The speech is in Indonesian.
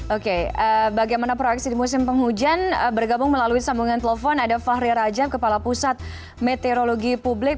oke bagaimana proyeksi di musim penghujan bergabung melalui sambungan telepon ada fahri rajab kepala pusat meteorologi publik